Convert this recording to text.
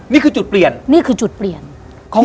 นี่คือจุดเปลี่ยน